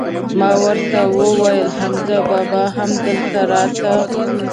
ما ور ته وویل: حمزه بابا هم دلته راته؟